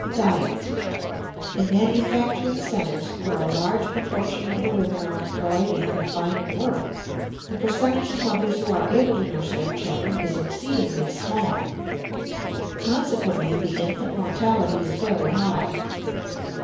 Diet. In manufacturing centers, where a large proportion of the women are employed in confining work, the percentage of mothers who are able to nurse their children is exceedingly small; consequently the infant mortality is very high.